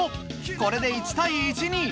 これで１対１に。